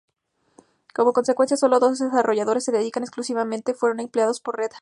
Como consecuencia sólo dos desarrolladores con dedicación exclusiva fueron empleados por Red Hat.